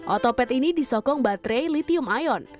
otopet ini disokong baterai litium ion